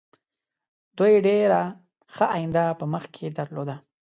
دوی ډېره ښه آینده په مخکې درلودله.